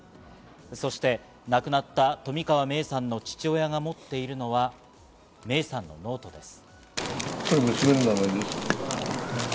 そして、亡くなった冨川芽生さんの父親が持っているのは芽生さんのノートです。